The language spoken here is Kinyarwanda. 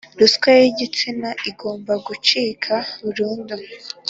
Ruswa yigitsina igomba gucika burundu